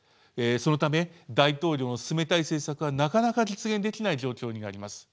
そのため大統領の進めたい政策がなかなか実現できない状況にあります。